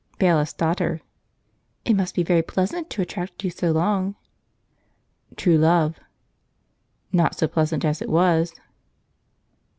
Bailiff's Daughter. "It must be very pleasant to attract you so long." True Love. "Not so pleasant as it was."